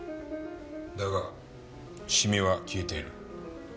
だがシミは消えている。